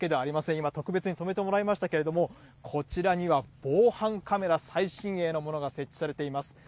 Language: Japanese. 今、特別に止めてもらいましたけれども、こちらには防犯カメラ、最新鋭のものが設置されています。